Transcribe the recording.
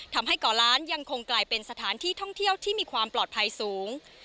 ก่อล้านยังคงกลายเป็นสถานที่ท่องเที่ยวที่มีความปลอดภัยสูง